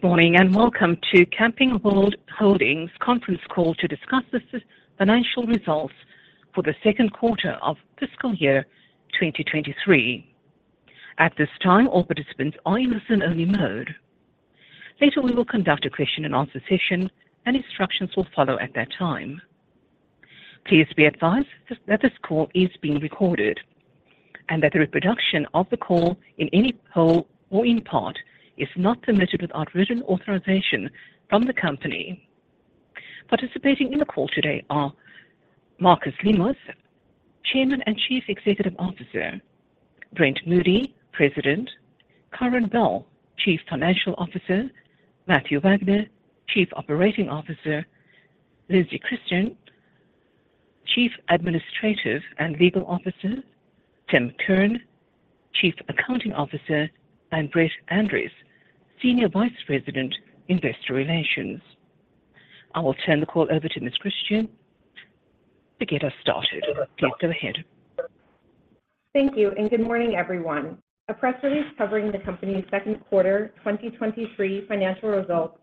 Good morning, and welcome to Camping World Holdings conference call to discuss the financial results for the second quarter of fiscal year 2023. At this time, all participants are in listen-only mode. Later, we will conduct a question and answer session, and instructions will follow at that time. Please be advised that this call is being recorded, and that the reproduction of the call in any whole or in part is not permitted without written authorization from the company. Participating in the call today are Marcus Lemonis, Chairman and Chief Executive Officer; Brent Moody, President; Karin Bell, Chief Financial Officer; Matthew Wagner, Chief Operating Officer; Lindsey Christen, Chief Administrative and Legal Officer; Tom Kirn, Chief Accounting Officer; and Brett Andress, Senior Vice President, Investor Relations. I will turn the call over to Ms. Christen to get us started. Please go ahead. Thank you, and good morning, everyone. A press release covering the company's second quarter 2023 financial results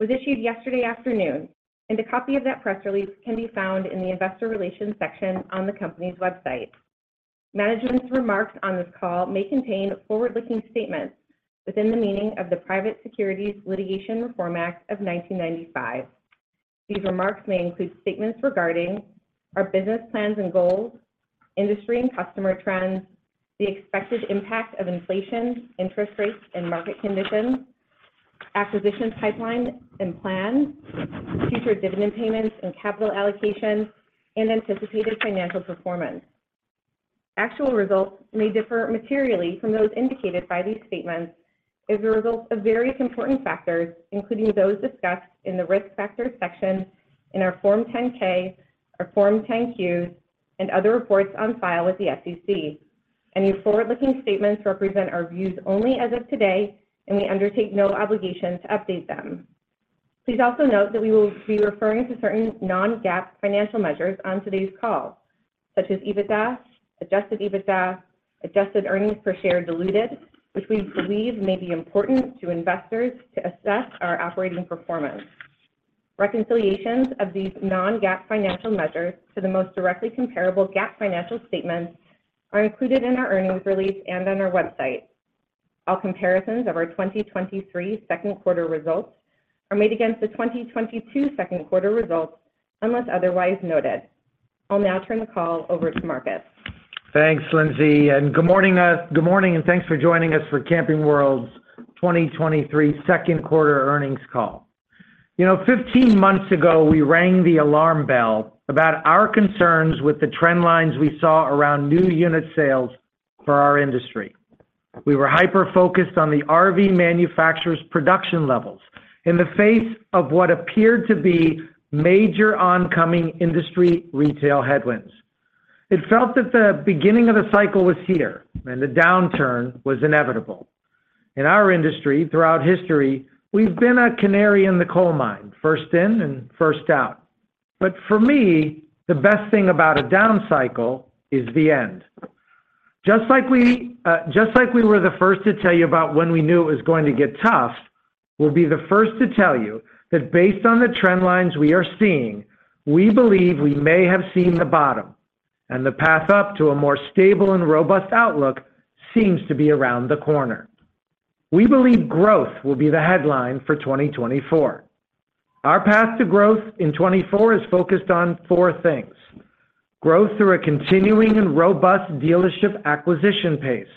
was issued yesterday afternoon, and a copy of that press release can be found in the Investor Relations section on the company's website. Management's remarks on this call may contain forward-looking statements within the meaning of the Private Securities Litigation Reform Act of 1995. These remarks may include statements regarding our business plans and goals, industry and customer trends, the expected impact of inflation, interest rates, and market conditions, acquisition pipeline and plans, future dividend payments and capital allocation, and anticipated financial performance. Actual results may differ materially from those indicated by these statements as a result of various important factors, including those discussed in the Risk Factors section in our Form 10-K, our Form 10-Qs, and other reports on file with the SEC. Any forward-looking statements represent our views only as of today, and we undertake no obligation to update them. Please also note that we will be referring to certain non-GAAP financial measures on today's call, such as EBITDA, adjusted EBITDA, adjusted earnings per share diluted, which we believe may be important to investors to assess our operating performance. Reconciliations of these non-GAAP financial measures to the most directly comparable GAAP financial statements are included in our earnings release and on our website. All comparisons of our 2023 second quarter results are made against the 2022 second quarter results, unless otherwise noted. I'll now turn the call over to Marcus. Thanks, Lindsay, good morning, good morning, and thanks for joining us for Camping World's 2023 second quarter earnings call. You know, 15 months ago, we rang the alarm bell about our concerns with the trend lines we saw around new unit sales for our industry. We were hyper-focused on the RV manufacturer's production levels in the face of what appeared to be major oncoming industry retail headwinds. It felt that the beginning of the cycle was here, and the downturn was inevitable. In our industry, throughout history, we've been a canary in the coal mine, first in and first out. For me, the best thing about a down cycle is the end. Just like we, just like we were the first to tell you about when we knew it was going to get tough, we'll be the first to tell you that based on the trend lines we are seeing, we believe we may have seen the bottom, and the path up to a more stable and robust outlook seems to be around the corner. We believe growth will be the headline for 2024. Our path to growth in 2024 is focused on four things: growth through a continuing and robust dealership acquisition pace.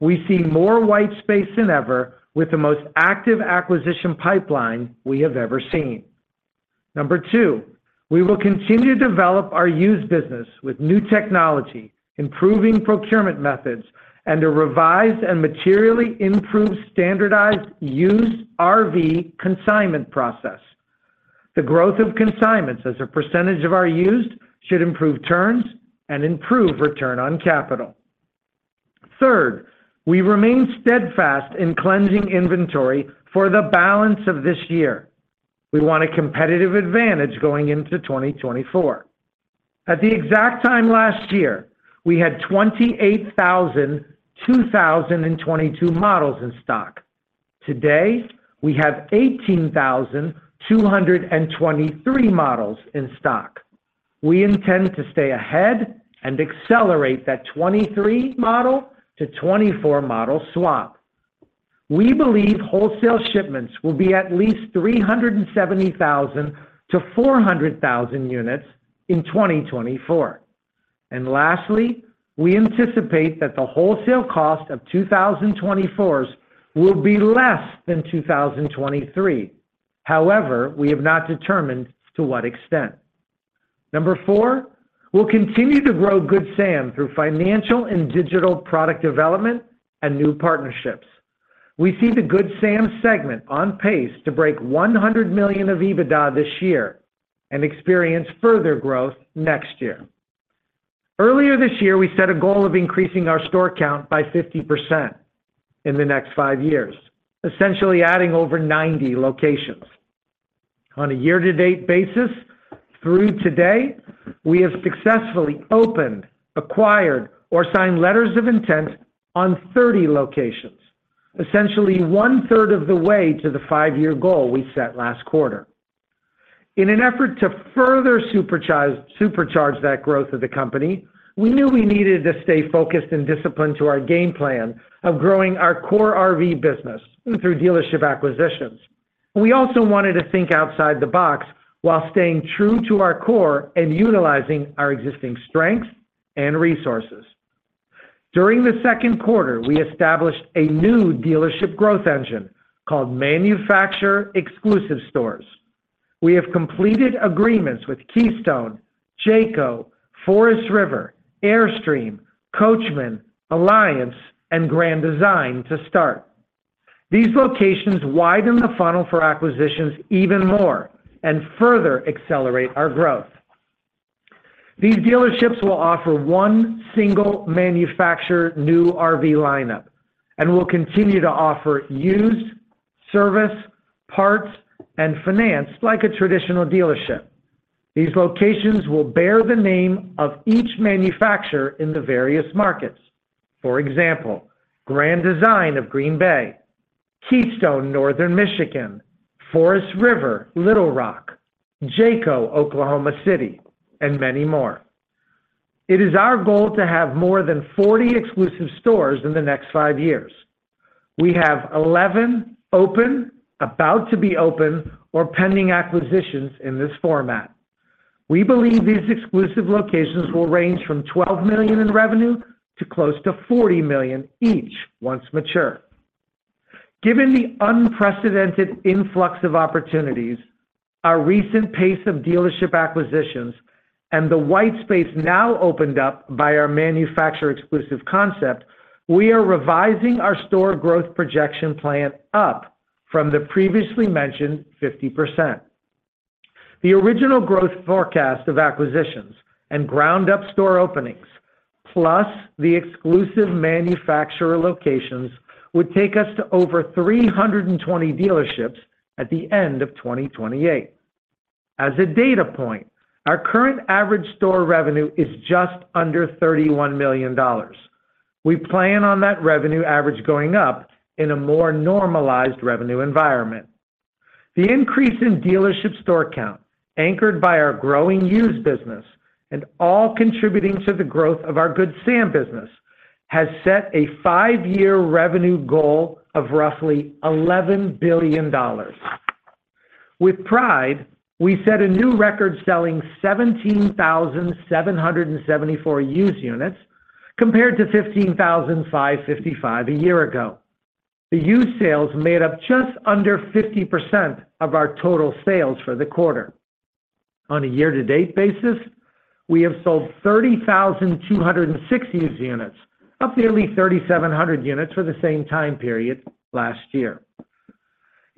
We see more white space than ever with the most active acquisition pipeline we have ever seen. Number 2, we will continue to develop our used business with new technology, improving procurement methods, and a revised and materially improved, standardized used RV consignment process. The growth of consignments as a percentage of our used, should improve turns and improve return on capital. Third, we remain steadfast in cleansing inventory for the balance of this year. We want a competitive advantage going into 2024. At the exact time last year, we had 28,000 2022 models in stock. Today, we have 18,223 2023 models in stock. We intend to stay ahead and accelerate that 23 model to 24 model swap. We believe wholesale shipments will be at least 370,000-400,000 units in 2024. Lastly, we anticipate that the wholesale cost of 2024s will be less than 2023. However, we have not determined to what extent. Number 4, we'll continue to grow Good Sam through financial and digital product development and new partnerships. We see the Good Sam segment on pace to break $100 million of EBITDA this year and experience further growth next year. Earlier this year, we set a goal of increasing our store count by 50% in the next five years, essentially adding over 90 locations. On a year-to-date basis, through today, we have successfully opened, acquired, or signed letters of intent on 30 locations. Essentially, one-third of the way to the five-year goal we set last quarter. In an effort to further supercharge that growth of the company, we knew we needed to stay focused and disciplined to our game plan of growing our core RV business through dealership acquisitions. We also wanted to think outside the box while staying true to our core and utilizing our existing strengths and resources. During the second quarter, we established a new dealership growth engine called Manufacturer Exclusive Stores. We have completed agreements with Keystone, Jayco, Forest River, Airstream, Coachmen, Alliance, and Grand Design to start. These locations widen the funnel for acquisitions even more and further accelerate our growth. These dealerships will offer one single manufacturer new RV lineup and will continue to offer used, service, parts, and finance like a traditional dealership. These locations will bear the name of each manufacturer in the various markets. For example, Grand Design of Green Bay, Keystone Northern Michigan, Forest River, Little Rock, Jayco, Oklahoma City, and many more. It is our goal to have more than 40 exclusive stores in the next five years. We have 11 open, about to be open, or pending acquisitions in this format. We believe these exclusive locations will range from $12 million in revenue to close to $40 million each once mature. Given the unprecedented influx of opportunities, our recent pace of dealership acquisitions, and the white space now opened up by our manufacturer exclusive concept, we are revising our store growth projection plan up from the previously mentioned 50%. The original growth forecast of acquisitions and ground-up store openings, plus the exclusive manufacturer locations, would take us to over 320 dealerships at the end of 2028. As a data point, our current average store revenue is just under $31 million. We plan on that revenue average going up in a more normalized revenue environment. The increase in dealership store count, anchored by our growing used business and all contributing to the growth of our Good Sam business, has set a five-year revenue goal of roughly $11 billion. With pride, we set a new record selling 17,774 used units, compared to 15,555 a year ago. The used sales made up just under 50% of our total sales for the quarter. On a year-to-date basis, we have sold 30,206 used units, up nearly 3,700 units for the same time period last year.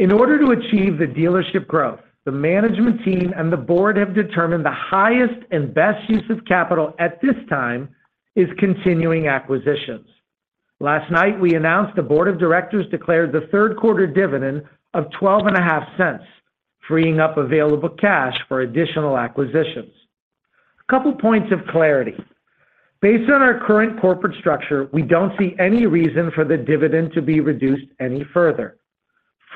In order to achieve the dealership growth, the management team and the board have determined the highest and best use of capital at this time is continuing acquisitions. Last night, we announced the board of directors declared the third quarter dividend of $0.125, freeing up available cash for additional acquisitions. A couple of points of clarity. Based on our current corporate structure, we don't see any reason for the dividend to be reduced any further.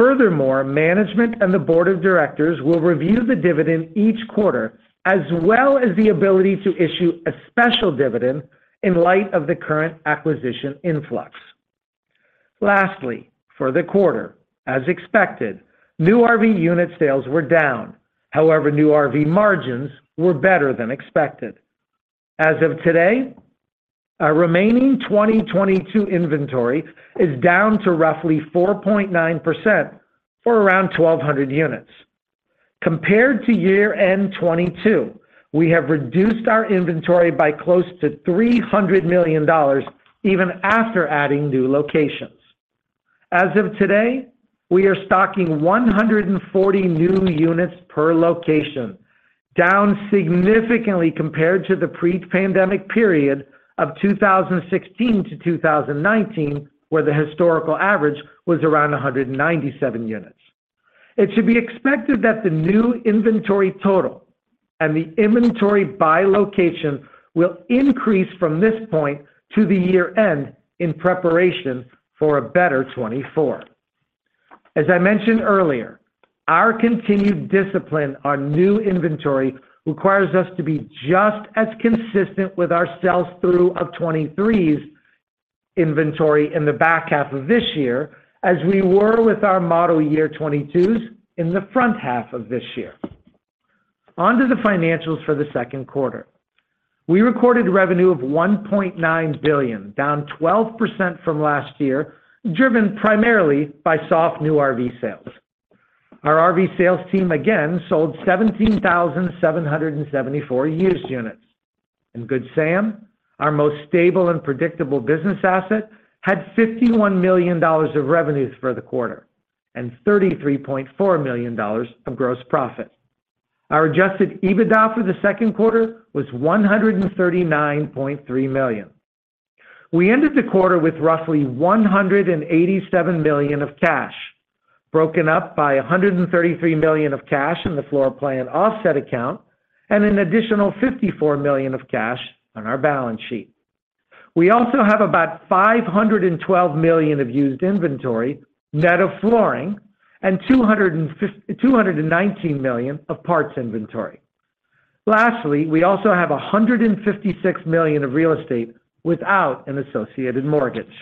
Furthermore, management and the board of directors will review the dividend each quarter, as well as the ability to issue a special dividend in light of the current acquisition influx. Lastly, for the quarter, as expected, new RV unit sales were down. New RV margins were better than expected. As of today, our remaining 2022 inventory is down to roughly 4.9% for around 1,200 units. Compared to year-end 2022, we have reduced our inventory by close to $300 million, even after adding new locations. As of today, we are stocking 140 new units per location, down significantly compared to the pre-pandemic period of 2016-2019, where the historical average was around 197 units. It should be expected that the new inventory total and the inventory by location will increase from this point to the year-end in preparation for a better 2024. As I mentioned earlier, our continued discipline on new inventory requires us to be just as consistent with our sales through of 2023s inventory in the back half of this year as we were with our model year 2022s in the front half of this year. On to the financials for the second quarter. We recorded revenue of $1.9 billion, down 12% from last year, driven primarily by soft new RV sales. Our RV sales team again sold 17,774 used units. In Good Sam, our most stable and predictable business asset had $51 million of revenues for the quarter and $33.4 million of gross profit. Our adjusted EBITDA for the second quarter was $139.3 million. We ended the quarter with roughly $187 million of cash, broken up by $133 million of cash in the floorplan offset account and an additional $54 million of cash on our balance sheet. We also have about $512 million of used inventory, net of flooring, and $219 million of parts inventory. Lastly, we also have $156 million of real estate without an associated mortgage.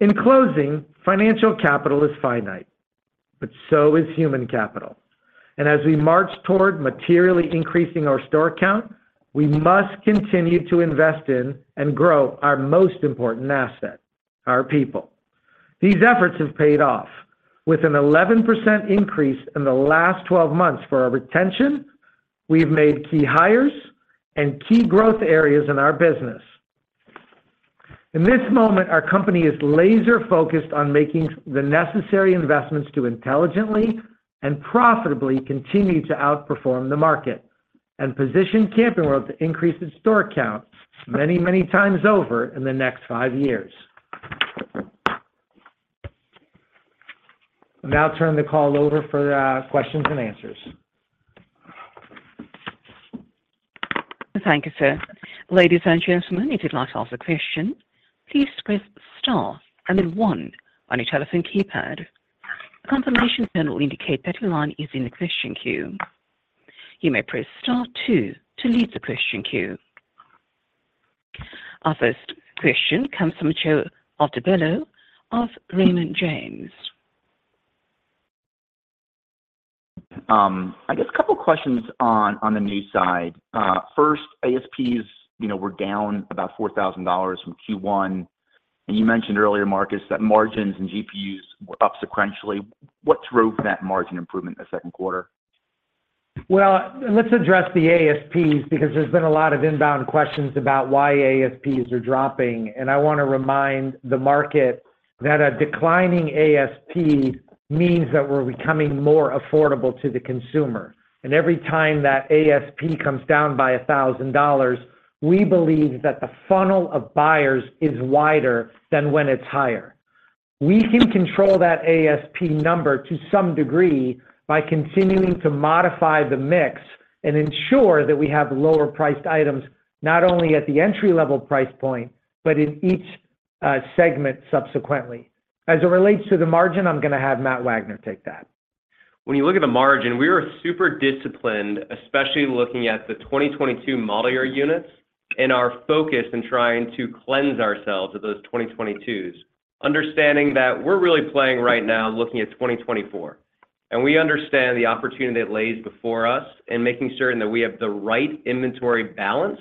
In closing, financial capital is finite, but so is human capital. As we march toward materially increasing our store count, we must continue to invest in and grow our most important asset, our people. These efforts have paid off. With an 11% increase in the last 12 months for our retention, we've made key hires in key growth areas in our business. In this moment, our company is laser-focused on making the necessary investments to intelligently and profitably continue to outperform the market and position Camping World to increase its store count many, many times over in the next five years. I'll now turn the call over for questions and answers. Thank you, sir. Ladies and gentlemen, if you'd like to ask a question, please press star and then one on your telephone keypad. A confirmation tone will indicate that your line is in the question queue. You may press star two to leave the question queue. Our first question comes from Joe Altobello of Raymond James. I guess a couple questions on, on the new side. First, ASPs, you know, were down about $4,000 from Q1. You mentioned earlier, Marcus, that margins and GPUs were up sequentially. What drove that margin improvement in the second quarter? Well, let's address the ASPs, because there's been a lot of inbound questions about why ASPs are dropping. I want to remind the market that a declining ASP means that we're becoming more affordable to the consumer. Every time that ASP comes down by $1,000, we believe that the funnel of buyers is wider than when it's higher. We can control that ASP number to some degree by continuing to modify the mix and ensure that we have lower priced items, not only at the entry-level price point, but in each segment subsequently. As it relates to the margin, I'm going to have Matt Wagner take that. When you look at the margin, we are super disciplined, especially looking at the 2022 model year units and our focus in trying to cleanse ourselves of those 2022s, understanding that we're really playing right now looking at 2024. We understand the opportunity that lays before us in making certain that we have the right inventory balance.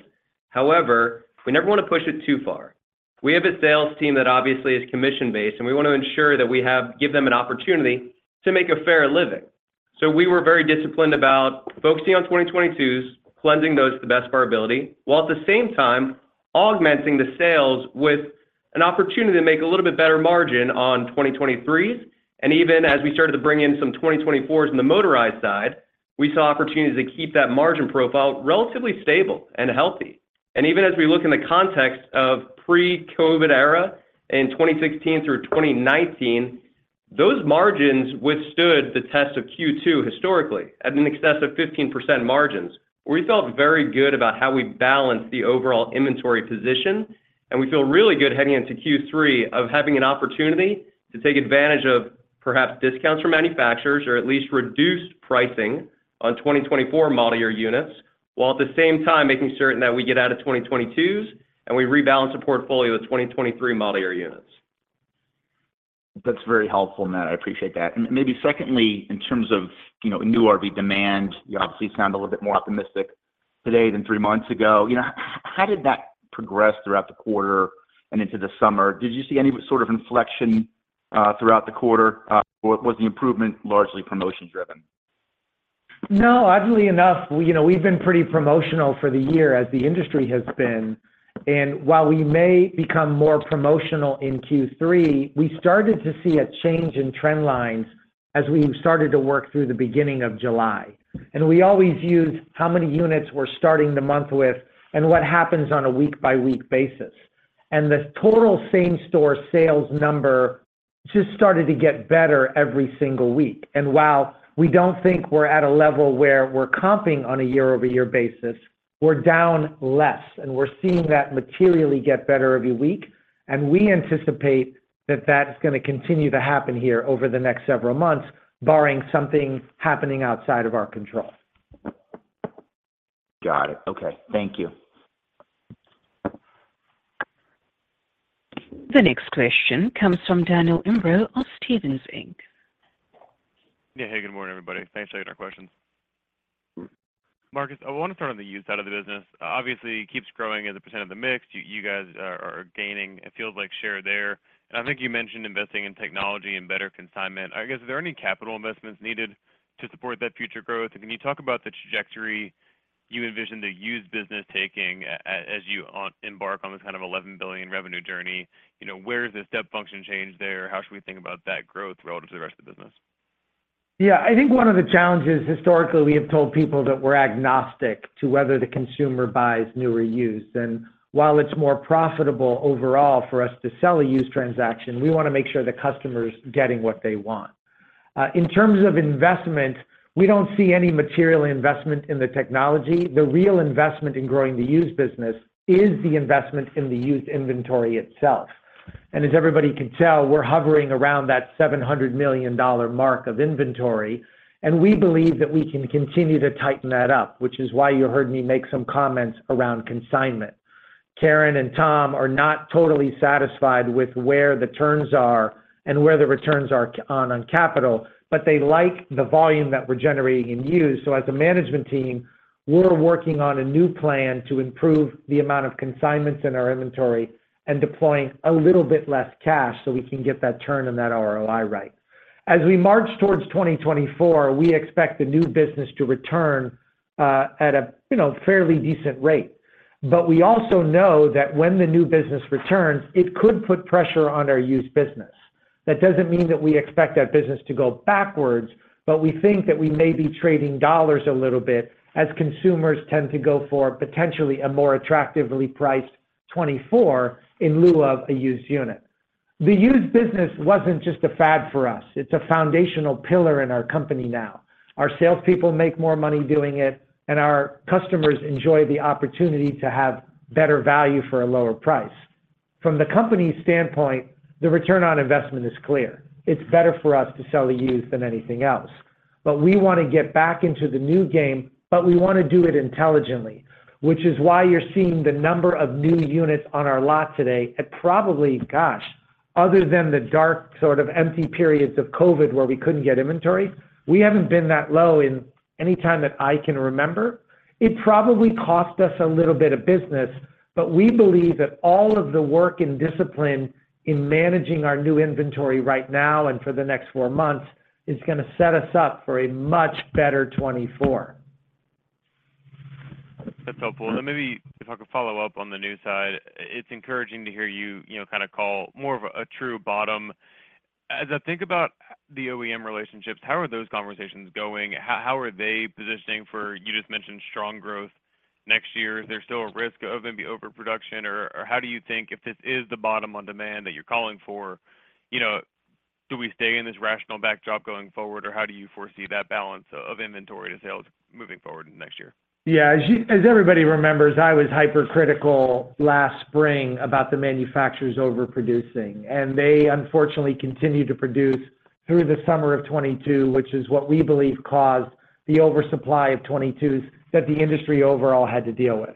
However, we never want to push it too far. We have a sales team that obviously is commission-based, and we want to ensure that we have, give them an opportunity to make a fair living. We were very disciplined about focusing on 2022s, cleansing those to the best of our ability, while at the same time augmenting the sales with an opportunity to make a little bit better margin on 2023s. Even as we started to bring in some 2024s in the motorized side, we saw opportunities to keep that margin profile relatively stable and healthy. Even as we look in the context of pre-COVID era, in 2016 through 2019, those margins withstood the test of Q2 historically, at an excess of 15% margins. We felt very good about how we balanced the overall inventory position, and we feel really good heading into Q3 of having an opportunity to take advantage of perhaps discounts from manufacturers or at least reduced pricing on 2024 model year units, while at the same time making certain that we get out of 2022s and we rebalance the portfolio of 2023 model year units. That's very helpful, Matt. I appreciate that. Maybe secondly, in terms of, you know, new RV demand, you obviously sound a little bit more optimistic today than three months ago. You know, how did that progress throughout the quarter and into the summer? Did you see any sort of inflection, throughout the quarter, or was the improvement largely promotion-driven? No, oddly enough, you know, we've been pretty promotional for the year as the industry has been. While we may become more promotional in Q3, we started to see a change in trend lines as we started to work through the beginning of July. We always use how many units we're starting the month with and what happens on a week-by-week basis. The total same-store sales number just started to get better every single week. While we don't think we're at a level where we're comping on a year-over-year basis, we're down less, and we're seeing that materially get better every week. We anticipate that that's going to continue to happen here over the next several months, barring something happening outside of our control. Got it. Okay, thank you. The next question comes from Daniel Imbro of Stephens Inc. Yeah. Hey, good morning, everybody. Thanks for taking our questions. Marcus, I want to start on the used side of the business. Obviously, it keeps growing as a % of the mix. You guys are gaining, it feels like, share there. I think you mentioned investing in technology and better consignment. I guess, are there any capital investments needed to support that future growth? Can you talk about the trajectory you envision the used business taking as you embark on this kind of $11 billion revenue journey? You know, where is the step function change there? How should we think about that growth relative to the rest of the business? Yeah, I think one of the challenges, historically, we have told people that we're agnostic to whether the consumer buys new or used. While it's more profitable overall for us to sell a used transaction, we wanna make sure the customer is getting what they want. In terms of investment, we don't see any material investment in the technology. The real investment in growing the used business is the investment in the used inventory itself. As everybody can tell, we're hovering around that $700 million mark of inventory, and we believe that we can continue to tighten that up, which is why you heard me make some comments around consignment. Karen and Tom are not totally satisfied with where the turns are and where the returns are on, on capital, but they like the volume that we're generating in used. As a management team, we're working on a new plan to improve the amount of consignments in our inventory and deploying a little bit less cash so we can get that turn and that ROI right. As we march towards 2024, we expect the new business to return, at a, you know, fairly decent rate. We also know that when the new business returns, it could put pressure on our used business. That doesn't mean that we expect that business to go backwards, but we think that we may be trading dollars a little bit as consumers tend to go for potentially a more attractively priced 24 in lieu of a used unit. The used business wasn't just a fad for us, it's a foundational pillar in our company now. Our salespeople make more money doing it, and our customers enjoy the opportunity to have better value for a lower price. From the company's standpoint, the return on investment is clear. It's better for us to sell a used than anything else. We wanna get back into the new game, but we wanna do it intelligently, which is why you're seeing the number of new units on our lot today at probably, gosh, other than the dark, sort of empty periods of COVID, where we couldn't get inventory, we haven't been that low in any time that I can remember. It probably cost us a little bit of business, but we believe that all of the work and discipline in managing our new inventory right now and for the next four months is gonna set us up for a much better 2024. That's helpful. Maybe if I could follow up on the new side, it's encouraging to hear you, you know, kinda call more of a true bottom. As I think about the OEM relationships, how are those conversations going? How are they positioning for... You just mentioned strong growth next year. Is there still a risk of maybe overproduction? How do you think, if this is the bottom on demand that you're calling for, you know, do we stay in this rational backdrop going forward, or how do you foresee that balance of inventory to sales moving forward next year? Yeah, as everybody remembers, I was hypercritical last spring about the manufacturers overproducing. They unfortunately continued to produce through the summer of 2022, which is what we believe caused the oversupply of 22s that the industry overall had to deal with.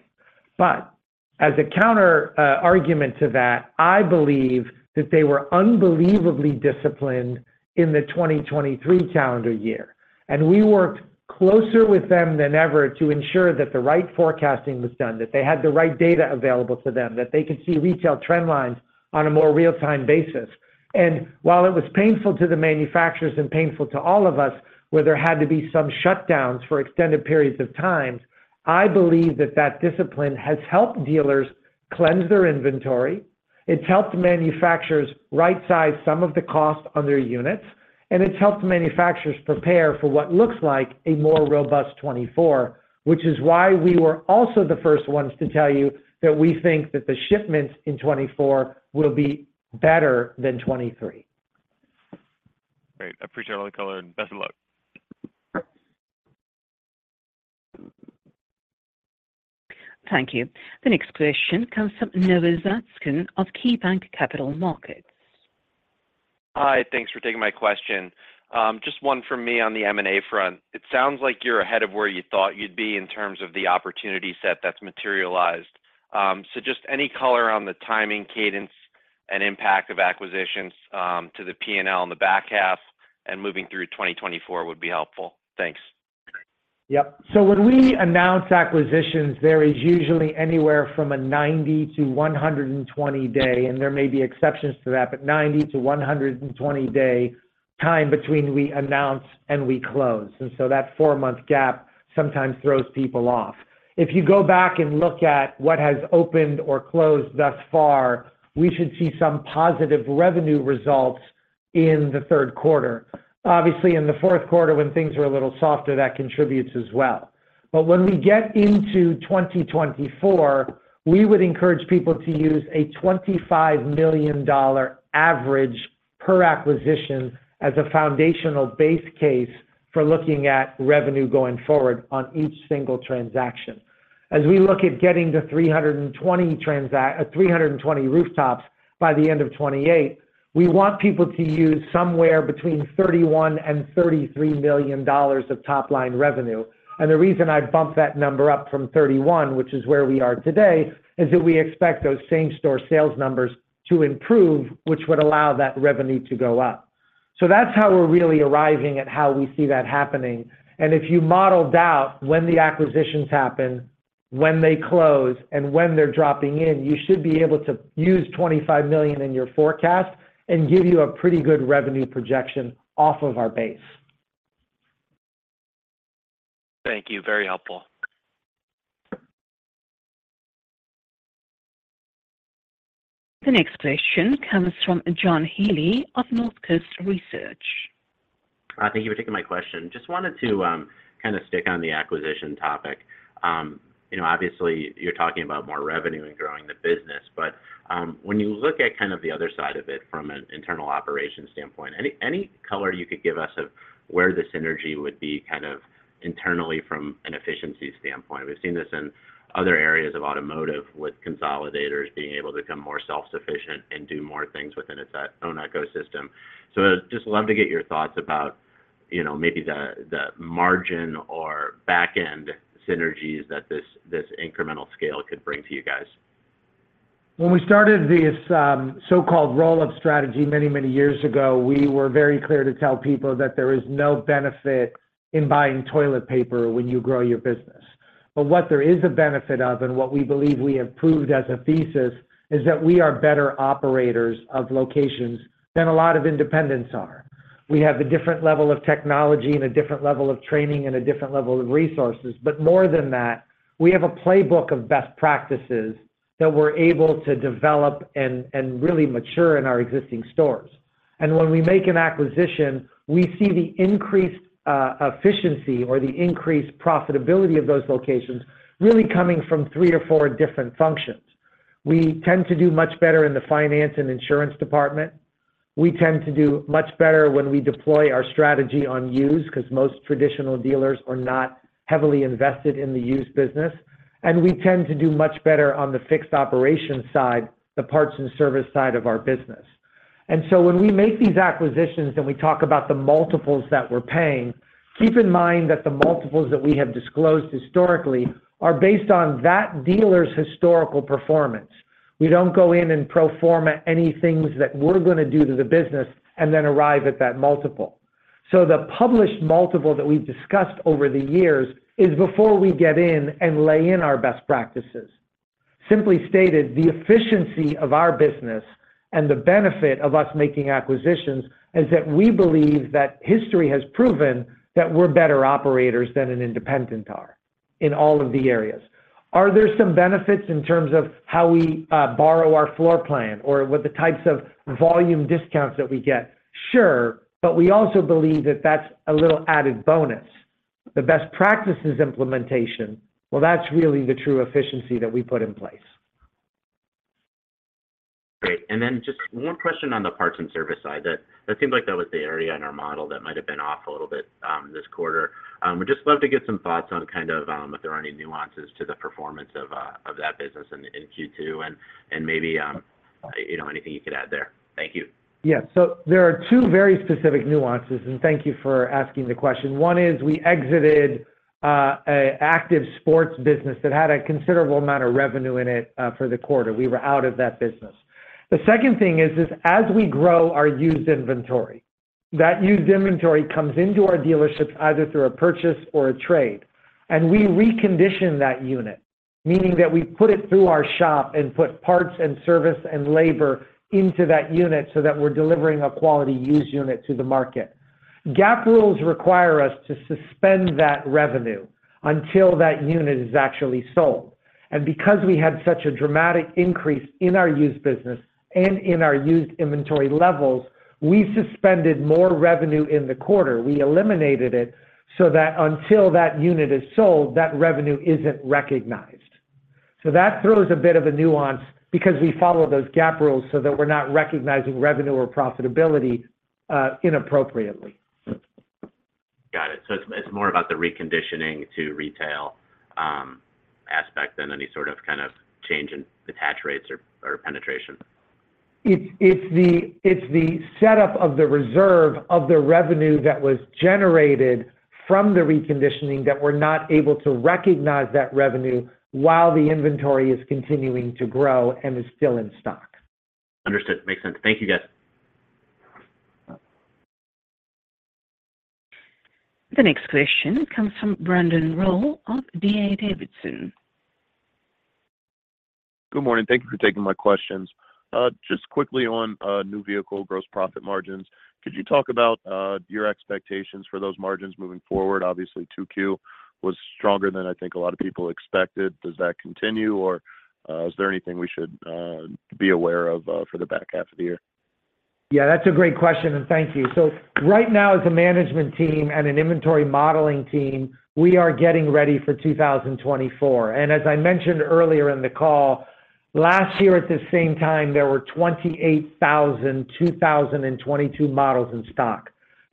As a counter argument to that, I believe that they were unbelievably disciplined in the 2023 calendar year. We worked closer with them than ever to ensure that the right forecasting was done, that they had the right data available to them, that they could see retail trend lines on a more real-time basis. While it was painful to the manufacturers and painful to all of us, where there had to be some shutdowns for extended periods of time, I believe that that discipline has helped dealers cleanse their inventory. It's helped manufacturers right-size some of the costs on their units, and it's helped manufacturers prepare for what looks like a more robust 2024, which is why we were also the first ones to tell you that we think that the shipments in 2024 will be better than 2023. Great. I appreciate all the color, and best of luck. Thank you. The next question comes from Noah Zatzkin of KeyBanc Capital Markets. Hi, thanks for taking my question. Just one from me on the M&A front. It sounds like you're ahead of where you thought you'd be in terms of the opportunity set that's materialized. Just any color on the timing, cadence, and impact of acquisitions to the P&L in the back half and moving through 2024 would be helpful. Thanks. Yep. So when we announce acquisitions, there is usually anywhere from a 90-120 day, and there may be exceptions to that, but 90-120 day time between we announce and we close, and so that four-month gap sometimes throws people off. If you go back and look at what has opened or closed thus far, we should see some positive revenue results in the third quarter. Obviously, in the fourth quarter, when things are a little softer, that contributes as well. When we get into 2024, we would encourage people to use a $25 million average per acquisition as a foundational base case for looking at revenue going forward on each single transaction. As we look at getting to 320 rooftops by the end of 2028, we want people to use somewhere between $31 million-$33 million of top-line revenue. The reason I bumped that number up from 31, which is where we are today, is that we expect those same-store sales numbers to improve, which would allow that revenue to go up. That's how we're really arriving at how we see that happening. If you modeled out when the acquisitions happen, when they close, and when they're dropping in, you should be able to use $25 million in your forecast and give you a pretty good revenue projection off of our base. Thank you. Very helpful. The next question comes from John Healy of Northcoast Research. Thank you for taking my question. Just wanted to, kind of stick on the acquisition topic. You know, obviously, you're talking about more revenue and growing the business, but, when you look at kind of the other side of it from an internal operations standpoint, any, any color you could give us of where the synergy would be kind of internally from an efficiency standpoint? We've seen this in other areas of automotive, with consolidators being able to become more self-sufficient and do more things within its own ecosystem. Just love to get your thoughts about, you know, maybe the, the margin or back-end synergies that this, this incremental scale could bring to you guys. When we started this so-called roll-up strategy many, many years ago, we were very clear to tell people that there is no benefit in buying toilet paper when you grow your business. What there is a benefit of, and what we believe we have proved as a thesis, is that we are better operators of locations than a lot of independents are. We have a different level of technology and a different level of training and a different level of resources, but more than that, we have a playbook of best practices that we're able to develop and, and really mature in our existing stores. When we make an acquisition, we see the increased efficiency or the increased profitability of those locations really coming from three to four different functions. We tend to do much better in the finance and insurance department. We tend to do much better when we deploy our strategy on used, 'cause most traditional dealers are not heavily invested in the used business, and we tend to do much better on the fixed operations side, the parts and service side of our business. When we make these acquisitions and we talk about the multiples that we're paying, keep in mind that the multiples that we have disclosed historically are based on that dealer's historical performance. We don't go in and pro forma any things that we're gonna do to the business and then arrive at that multiple. The published multiple that we've discussed over the years is before we get in and lay in our best practices. Simply stated, the efficiency of our business and the benefit of us making acquisitions is that we believe that history has proven that we're better operators than an independent are in all of the areas. Are there some benefits in terms of how we, borrow our floor plan or what the types of volume discounts that we get? Sure, but we also believe that that's a little added bonus. The best practices implementation, well, that's really the true efficiency that we put in place. Great. Then just one question on the parts and service side. That, that seemed like that was the area in our model that might have been off a little bit this quarter. Would just love to get some thoughts on kind of if there are any nuances to the performance of that business in Q2 and maybe, you know, anything you could add there. Thank you. Yeah. There are two very specific nuances. Thank you for asking the question. One is, we exited a Active Sports business that had a considerable amount of revenue in it for the quarter. We were out of that business. The second thing is, is as we grow our used inventory, that used inventory comes into our dealerships either through a purchase or a trade, and we recondition that unit, meaning that we put it through our shop and put parts and service and labor into that unit so that we're delivering a quality used unit to the market. GAAP rules require us to suspend that revenue until that unit is actually sold. Because we had such a dramatic increase in our used business and in our used inventory levels, we suspended more revenue in the quarter. We eliminated it so that until that unit is sold, that revenue isn't recognized. That throws a bit of a nuance because we follow those GAAP rules so that we're not recognizing revenue or profitability inappropriately. Got it. It's, it's more about the reconditioning to retail aspect than any sort of kind of change in detach rates or, or penetration? It's the setup of the reserve of the revenue that was generated from the reconditioning that we're not able to recognize that revenue while the inventory is continuing to grow and is still in stock. Understood. Makes sense. Thank you, guys. The next question comes from Brandon Rollé of D.A. Davidson. Good morning. Thank you for taking my questions. Just quickly on, new vehicle gross profit margins, could you talk about your expectations for those margins moving forward? Obviously, 2Q was stronger than I think a lot of people expected. Does that continue, or is there anything we should be aware of for the back half of the year? Yeah, that's a great question, and thank you. Right now, as a management team and an inventory modeling team, we are getting ready for 2024. As I mentioned earlier in the call, last year at the same time, there were 28,000 2022 models in stock.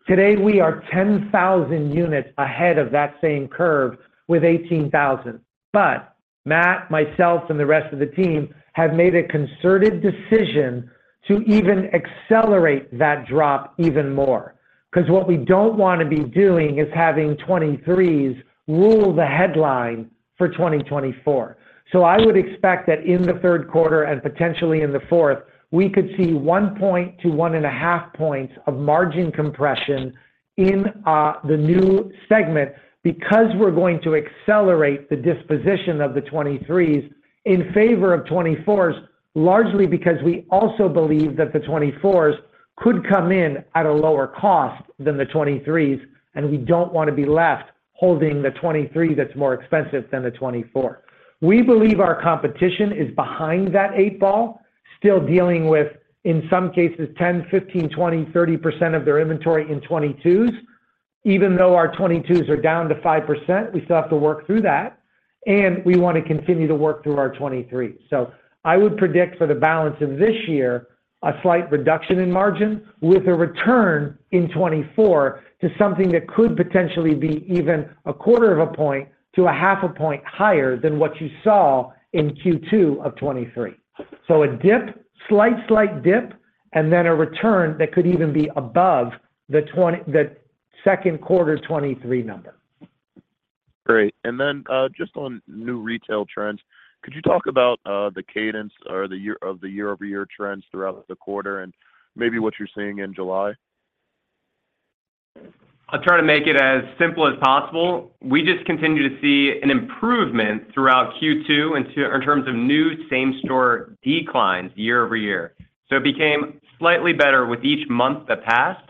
Today, we are 10,000 units ahead of that same curve with 18,000. Matt, myself, and the rest of the team have made a concerted decision to even accelerate that drop even more, ’cause what we don't want to be doing is having 23s rule the headline for 2024. I would expect that in the third quarter, and potentially in the fourth, we could see 1-1.5 points of margin compression in the new segment, because we're going to accelerate the disposition of the 23s in favor of 24s, largely because we also believe that the 24s could come in at a lower cost than the 23s, and we don't want to be left holding the 23 that's more expensive than the 24. We believe our competition is behind that 8-ball. still dealing with, in some cases, 10%, 15%, 20%, 30% of their inventory in 22s. Even though our 22s are down to 5%, we still have to work through that, and we want to continue to work through our 23s. I would predict for the balance of this year, a slight reduction in margin with a return in 2024 to something that could potentially be even a quarter of a point to a half a point higher than what you saw in Q2 of 2023. A dip, slight, slight dip, and then a return that could even be above the second quarter 2023 number. Great. Then, just on new retail trends, could you talk about, the cadence or the year-over-year trends throughout the quarter and maybe what you're seeing in July? I'll try to make it as simple as possible. We just continue to see an improvement throughout Q2 in terms of new same-store declines year-over-year. It became slightly better with each month that passed.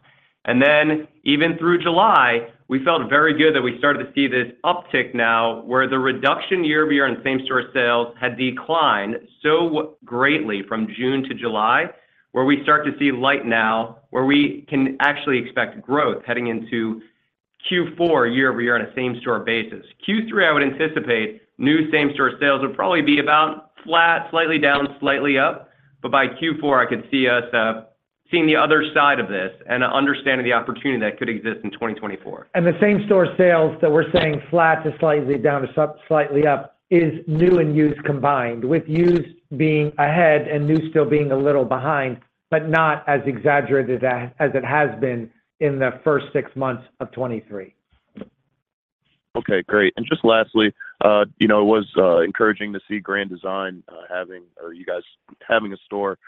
Then, even through July, we felt very good that we started to see this uptick now, where the reduction year-over-year in same-store sales had declined so greatly from June to July, where we start to see light now, where we can actually expect growth heading into Q4 year-over-year on a same-store basis. Q3, I would anticipate new same-store sales would probably be about flat, slightly down, slightly up, By Q4, I could see us seeing the other side of this and understanding the opportunity that could exist in 2024. The same-store sales that we're saying flat to slightly down to so slightly up is new and used, combined, with used being ahead and new still being a little behind, but not as exaggerated as it has been in the first 6 months of 2023. Okay, great. Just lastly, you know, it was encouraging to see Grand Design having or you guys having a store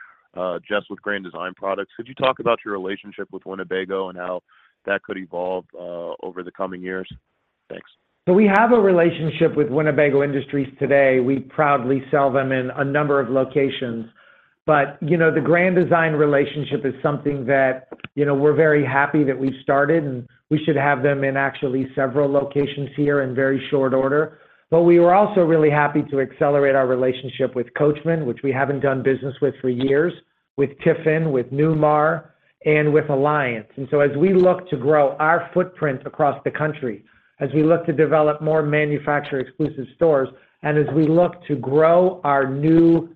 just with Grand Design products. Could you talk about your relationship with Winnebago and how that could evolve over the coming years? Thanks. We have a relationship with Winnebago Industries today. We proudly sell them in a number of locations, you know, the Grand Design relationship is something that, you know, we're very happy that we started, and we should have them in actually several locations here in very short order. We were also really happy to accelerate our relationship with Coachmen, which we haven't done business with for years, with Tiffin, with Newmar, and with Alliance. As we look to grow our footprint across the country, as we look to develop more Manufacturer Exclusive Stores, and as we look to grow our new,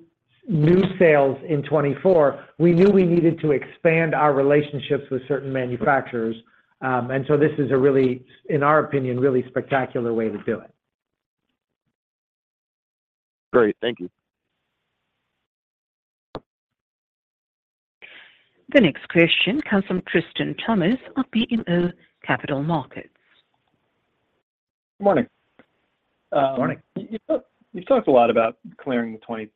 new sales in 2024, we knew we needed to expand our relationships with certain manufacturers. This is a really, in our opinion, really spectacular way to do it. Great. Thank you. The next question comes from Tristan Thomas-Martin of BMO Capital Markets. Good morning. Good morning. You've talked, you've talked a lot about clearing the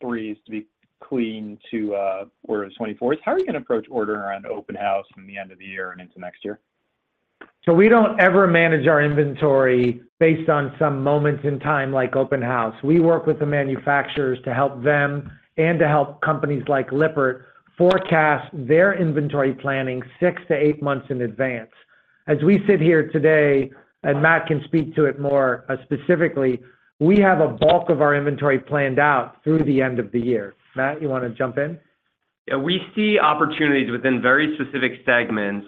2023s to be clean to where 2024s. How are you going to approach ordering around open house in the end of the year and into next year? We don't ever manage our inventory based on some moments in time, like open house. We work with the manufacturers to help them and to help companies like Lippert forecast their inventory planning 6-8 months in advance. As we sit here today, and Matt can speak to it more, specifically, we have a bulk of our inventory planned out through the end of the year. Matt, you want to jump in? Yeah, we see opportunities within very specific segments,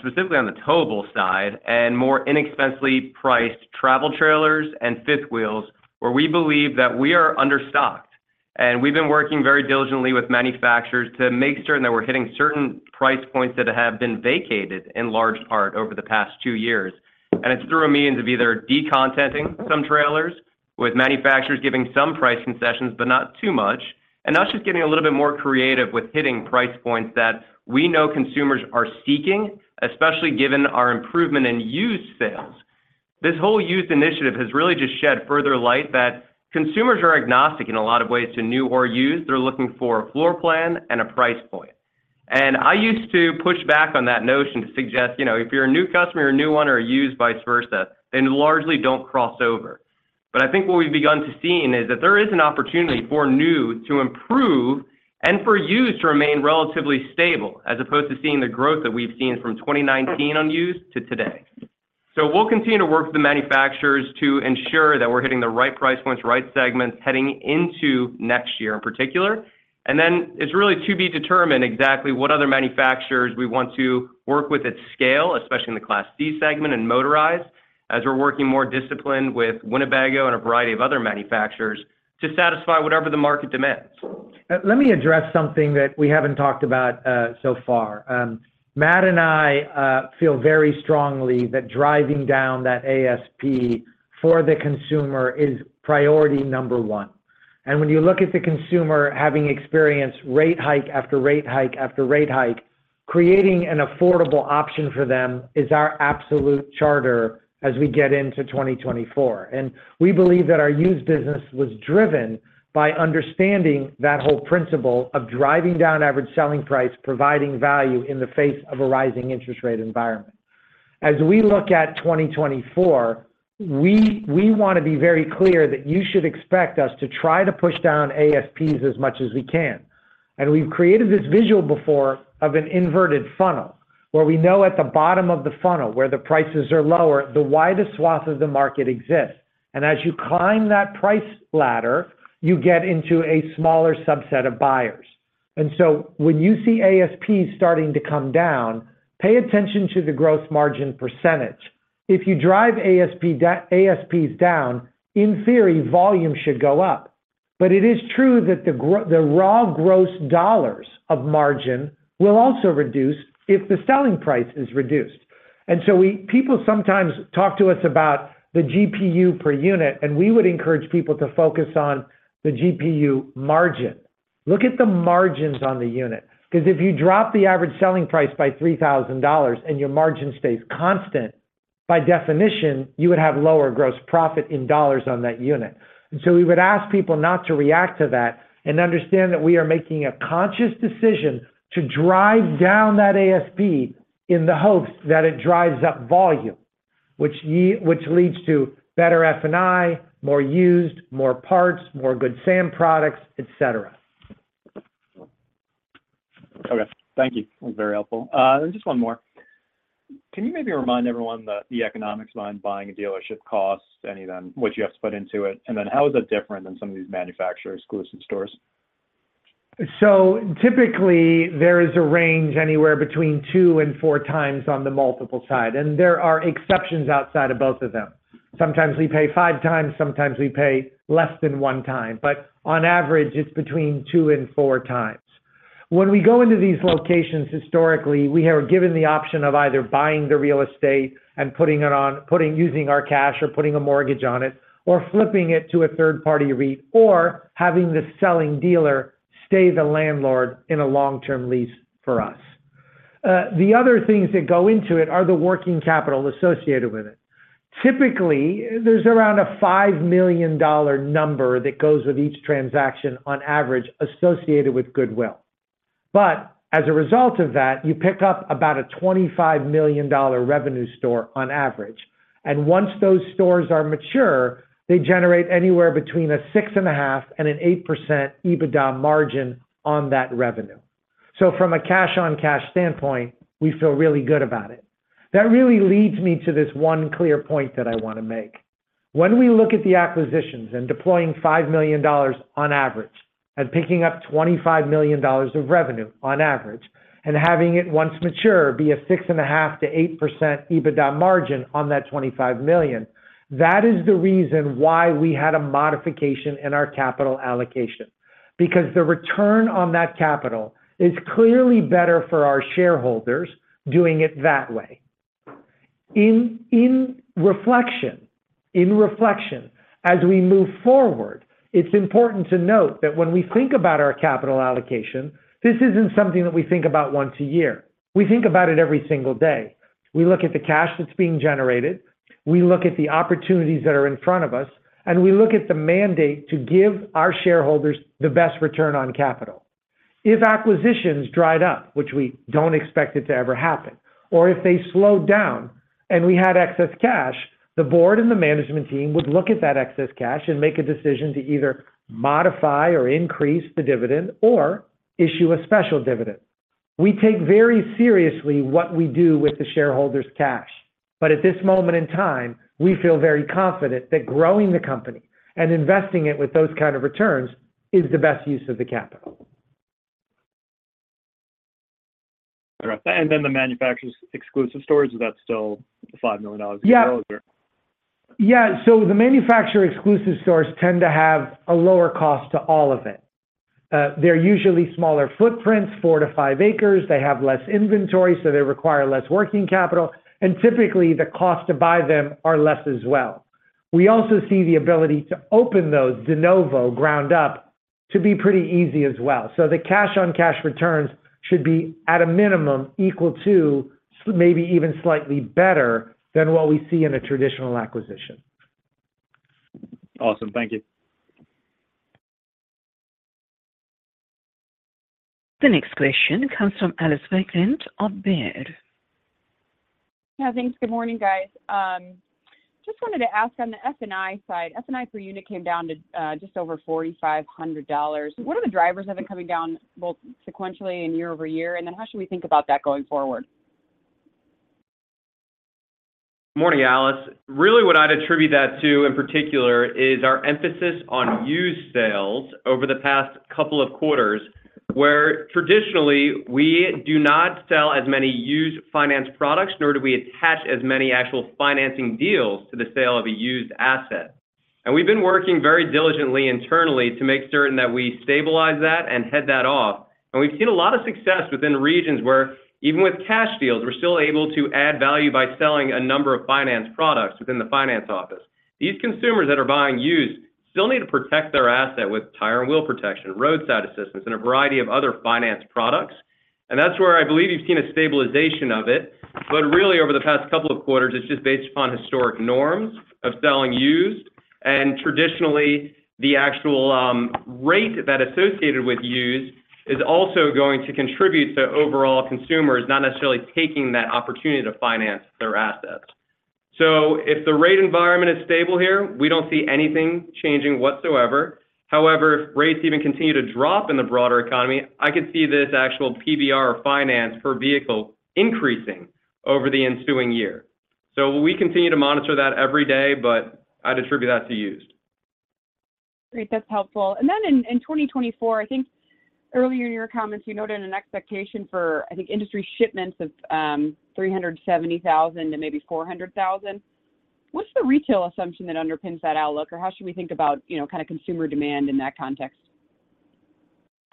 specifically on the towable side and more inexpensively priced travel trailers and fifth wheels, where we believe that we are understocked. We've been working very diligently with manufacturers to make certain that we're hitting certain price points that have been vacated in large part over the past two years. It's through a means of either decontenting some trailers, with manufacturers giving some price concessions, but not too much, and us just getting a little bit more creative with hitting price points that we know consumers are seeking, especially given our improvement in used sales. This whole used initiative has really just shed further light that consumers are agnostic in a lot of ways to new or used. They're looking for a floor plan and a price point. I used to push back on that notion to suggest, you know, if you're a new customer, you're a new one or a used, vice versa, then largely don't cross over. I think what we've begun to seen is that there is an opportunity for new to improve and for used to remain relatively stable, as opposed to seeing the growth that we've seen from 2019 on used to today. We'll continue to work with the manufacturers to ensure that we're hitting the right price points, right segments, heading into next year in particular. Then it's really to be determined exactly what other manufacturers we want to work with at scale, especially in the Class C segment and motorized, as we're working more disciplined with Winnebago and a variety of other manufacturers to satisfy whatever the market demands. Let me address something that we haven't talked about so far. Matt and I feel very strongly that driving down that ASP for the consumer is priority number 1. When you look at the consumer having experienced rate hike after rate hike after rate hike, creating an affordable option for them is our absolute charter as we get into 2024. We believe that our used business was driven by understanding that whole principle of driving down average selling price, providing value in the face of a rising interest rate environment. As we look at 2024, we want to be very clear that you should expect us to try to push down ASPs as much as we can. We've created this visual before of an inverted funnel.... where we know at the bottom of the funnel, where the prices are lower, the widest swath of the market exists. As you climb that price ladder, you get into a smaller subset of buyers. So when you see ASPs starting to come down, pay attention to the gross margin percentage. If you drive ASPs down, in theory, volume should go up. It is true that the raw gross dollars of margin will also reduce if the selling price is reduced. People sometimes talk to us about the GPU per unit, and we would encourage people to focus on the GPU margin. Look at the margins on the unit, because if you drop the average selling price by $3,000 and your margin stays constant, by definition, you would have lower gross profit in dollars on that unit. We would ask people not to react to that and understand that we are making a conscious decision to drive down that ASP in the hopes that it drives up volume, which leads to better F&I, more used, more parts, more Good Sam products, et cetera. Okay, thank you. That was very helpful. just one more. Can you maybe remind everyone the, the economics behind buying a dealership costs, any of them, what you have to put into it, and then how is that different than some of these Manufacturer Exclusive Stores? Typically, there is a range anywhere between 2 and 4 times on the multiple side, and there are exceptions outside of both of them. Sometimes we pay 5 times, sometimes we pay less than 1 time, but on average, it's between 2 and 4 times. When we go into these locations, historically, we are given the option of either buying the real estate and putting it on, using our cash or putting a mortgage on it, or flipping it to a third-party REIT, or having the selling dealer stay the landlord in a long-term lease for us. The other things that go into it are the working capital associated with it. Typically, there's around a $5 million number that goes with each transaction on average associated with goodwill. As a result of that, you pick up about a $25 million revenue store on average. Once those stores are mature, they generate anywhere between a 6.5% and an 8% EBITDA margin on that revenue. From a cash-on-cash standpoint, we feel really good about it. That really leads me to this one clear point that I want to make. When we look at the acquisitions and deploying $5 million on average and picking up $25 million of revenue on average, and having it, once mature, be a 6.5%-8% EBITDA margin on that $25 million, that is the reason why we had a modification in our capital allocation, because the return on that capital is clearly better for our shareholders doing it that way. In reflection, as we move forward, it's important to note that when we think about our capital allocation, this isn't something that we think about once a year. We think about it every single day. We look at the cash that's being generated, we look at the opportunities that are in front of us, and we look at the mandate to give our shareholders the best return on capital. If acquisitions dried up, which we don't expect it to ever happen, or if they slowed down and we had excess cash, the board and the management team would look at that excess cash and make a decision to either modify or increase the dividend or issue a special dividend. We take very seriously what we do with the shareholders' cash, but at this moment in time, we feel very confident that growing the company and investing it with those kind of returns is the best use of the capital. Correct. Then the Manufacturer Exclusive Stores, is that still $5 million a year or? Yeah. The Manufacturer Exclusive Stores tend to have a lower cost to all of it. They're usually smaller footprints, four-five acres. They have less inventory, so they require less working capital, and typically, the cost to buy them are less as well. We also see the ability to open those de novo, ground up, to be pretty easy as well. The cash-on-cash returns should be, at a minimum, equal to, maybe even slightly better than what we see in a traditional acquisition. Awesome. Thank you. The next question comes from Alice Wycklendt of Baird. Yeah, thanks. Good morning, guys. Just wanted to ask on the F&I side, F&I per unit came down to just over $4,500. What are the drivers of it coming down both sequentially and year-over-year, and then how should we think about that going forward? Morning, Alice Wycklendt. Really, what I'd attribute that to, in particular, is our emphasis on used sales over the past couple of quarters, where traditionally, we do not sell as many used finance products, nor do we attach as many actual financing deals to the sale of a used asset. We've been working very diligently internally to make certain that we stabilize that and head that off. We've seen a lot of success within regions where even with cash deals, we're still able to add value by selling a number of finance products within the finance office. These consumers that are buying used still need to protect their asset with tire and wheel protection, roadside assistance, and a variety of other finance products. That's where I believe you've seen a stabilization of it. Really, over the past couple of quarters, it's just based upon historic norms of selling used. Traditionally, the actual rate that associated with used is also going to contribute to overall consumers, not necessarily taking that opportunity to finance their assets. If the rate environment is stable here, we don't see anything changing whatsoever. However, if rates even continue to drop in the broader economy, I could see this actual PVR or finance per vehicle increasing over the ensuing year. We continue to monitor that every day, but I'd attribute that to used. Great, that's helpful. Then in, in 2024, I think earlier in your comments, you noted an expectation for, I think, industry shipments of 370,000 to maybe 400,000. What's the retail assumption that underpins that outlook? Or how should we think about, you know, kind of consumer demand in that context?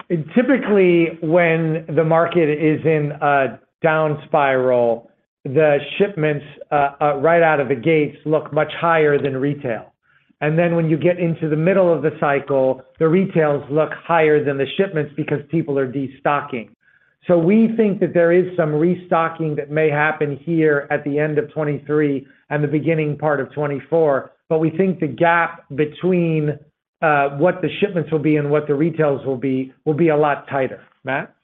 Typically, when the market is in a down spiral, the shipments, right out of the gates look much higher than retail. Then when you get into the middle of the cycle, the retails look higher than the shipments because people are destocking. We think that there is some restocking that may happen here at the end of 2023 and the beginning part of 2024. We think the gap between what the shipments will be and what the retails will be, will be a lot tighter. Matt?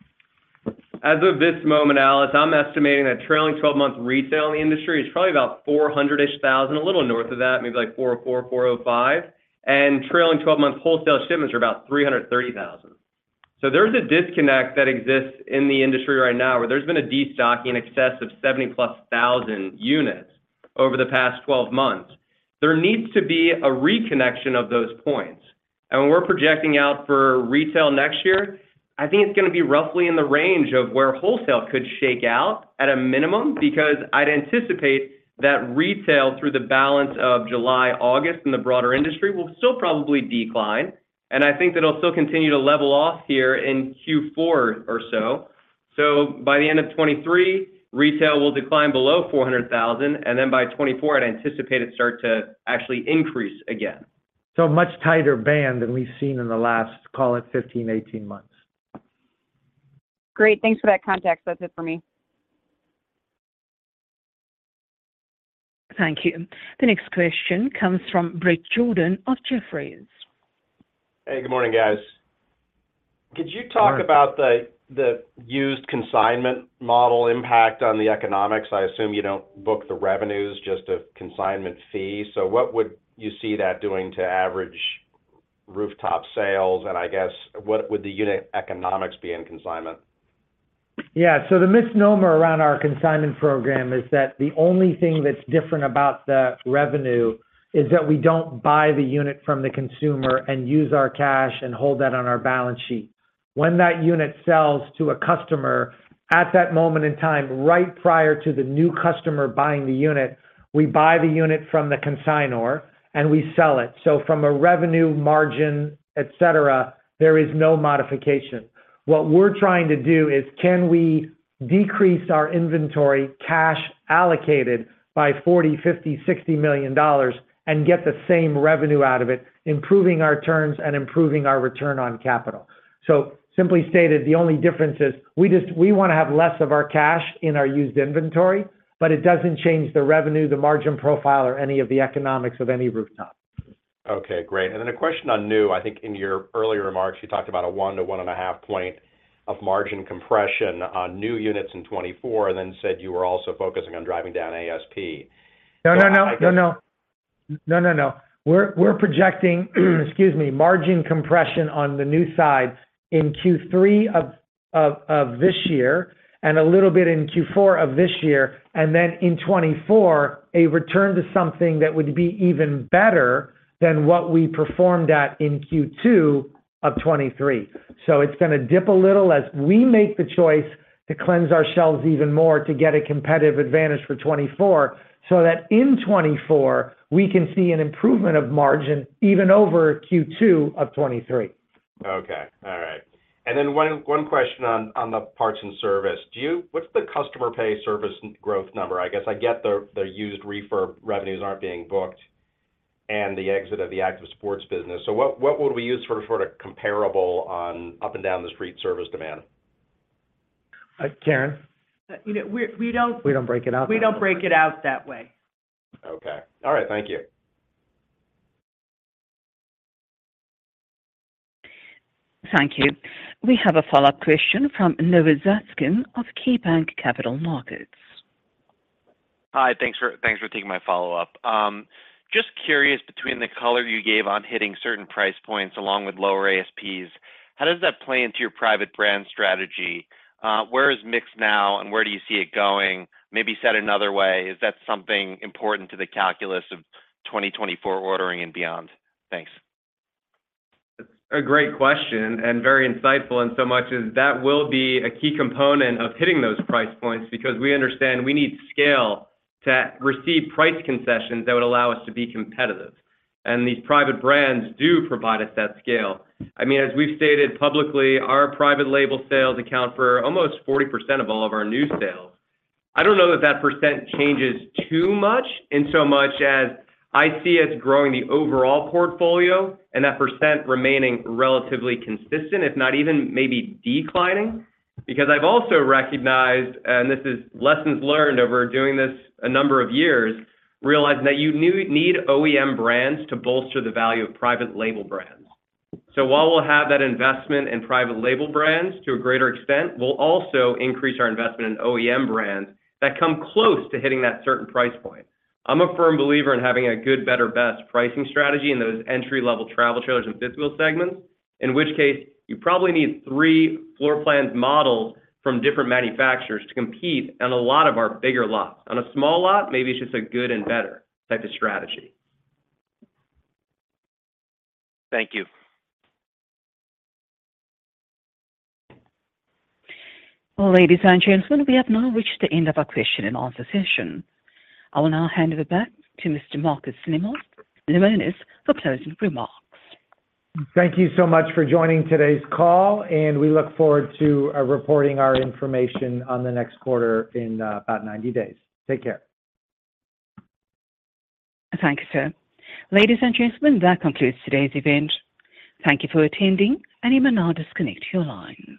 As of this moment, Alice, I'm estimating that trailing twelve-month retail in the industry is probably about 400,000-ish, a little north of that, maybe like 404,000, 405,000. Trailing twelve-month wholesale shipments are about 330,000. There's a disconnect that exists in the industry right now, where there's been a destocking in excess of 70,000-plus units over the past 12 months. There needs to be a reconnection of those points. When we're projecting out for retail next year, I think it's gonna be roughly in the range of where wholesale could shake out at a minimum, because I'd anticipate that retail, through the balance of July, August, in the broader industry, will still probably decline. I think that it'll still continue to level off here in Q4 or so. By the end of 2023, retail will decline below 400,000, and then by 2024, I'd anticipate it start to actually increase again. A much tighter band than we've seen in the last, call it, 15, 18 months. Great. Thanks for that context. That's it for me. Thank you. The next question comes from Bret Jordan of Jefferies. Hey, good morning, guys. Morning. Could you talk about the, the used consignment model impact on the economics? I assume you don't book the revenues, just a consignment fee. What would you see that doing to average rooftop sales, and I guess, what would the unit economics be in consignment? Yeah, the misnomer around our consignment program is that the only thing that's different about the revenue is that we don't buy the unit from the consumer and use our cash and hold that on our balance sheet. When that unit sells to a customer, at that moment in time, right prior to the new customer buying the unit, we buy the unit from the consignor, and we sell it. From a revenue margin, et cetera, there is no modification. What we're trying to do is, can we decrease our inventory cash allocated by $40 million, $50 million, $60 million and get the same revenue out of it, improving our terms and improving our return on capital? Simply stated, the only difference is we want to have less of our cash in our used inventory. It doesn't change the revenue, the margin profile, or any of the economics of any rooftop. Okay, great. Then a question on new. I think in your earlier remarks, you talked about a 1 to 1.5 point of margin compression on new units in 2024, and then said you were also focusing on driving down ASP. No, no, no. No, no. No, no, no. We're, we're projecting, excuse me, margin compression on the new sides in Q3 of this year and a little bit in Q4 of this year, and then in 2024, a return to something that would be even better than what we performed at in Q2 of 2023. It's gonna dip a little as we make the choice to cleanse our shelves even more to get a competitive advantage for 2024, so that in 2024, we can see an improvement of margin even over Q2 of 2023. Okay. All right. Then one question on the parts and service. What's the customer pay service growth number? I guess I get the used refurb revenues aren't being booked and the exit of the Active Sports business. What would we use for the comparable on up-and-down-the-street service demand? Karin? You know, we don't- We don't break it out. We don't break it out that way. Okay. All right, thank you. Thank you. We have a follow-up question from Noah Zatzkin of KeyBanc Capital Markets. Hi, thanks for, thanks for taking my follow-up. Just curious, between the color you gave on hitting certain price points along with lower ASPs, how does that play into your private brand strategy? Where is mix now, and where do you see it going? Maybe said another way, is that something important to the calculus of 2024 ordering and beyond? Thanks. A great question, and very insightful, and so much as that will be a key component of hitting those price points, because we understand we need scale to receive price concessions that would allow us to be competitive. These private brands do provide us that scale. I mean, as we've stated publicly, our private label sales account for almost 40% of all of our new sales. I don't know that that percent changes too much, in so much as I see us growing the overall portfolio and that percent remaining relatively consistent, if not even maybe declining. Because I've also recognized, and this is lessons learned over doing this a number of years, realizing that you need OEM brands to bolster the value of private label brands. While we'll have that investment in private label brands to a greater extent, we'll also increase our investment in OEM brands that come close to hitting that certain price point. I'm a firm believer in having a good, better, best pricing strategy in those entry-level travel trailers and fifth wheel segments, in which case you probably need three floor plans models from different manufacturers to compete on a lot of our bigger lots. On a small lot, maybe it's just a good and better type of strategy. Thank you. Ladies and gentlemen, we have now reached the end of our question and answer session. I will now hand it back to Mr. Marcus Lemonis, for closing remarks. Thank you so much for joining today's call, and we look forward to reporting our information on the next quarter in about 90 days. Take care. Thank you, sir. Ladies and gentlemen, that concludes today's event. Thank you for attending, and you may now disconnect your line.